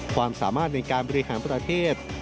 ความสามารถในการบริหารประเทศ